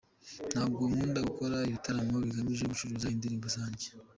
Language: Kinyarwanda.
Ntabwo nkunda gukora ibitaramo bigamije gucuruza indirimbo zanjye.